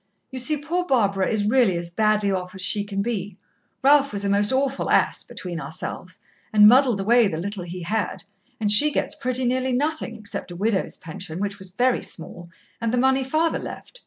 You see, poor Barbara is really as badly off as she can be. Ralph was a most awful ass, between ourselves, and muddled away the little he had, and she gets pretty nearly nothing, except a widow's pension, which was very small, and the money father left.